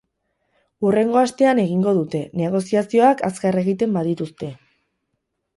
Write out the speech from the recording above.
Hurrengo astean egingo dute, negoziazioak azkar egiten badituzte.